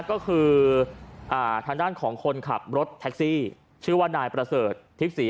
ก็คือทางด้านของคนขับรถแท็กซี่ชื่อว่านายประเสริฐทิพย์ศรี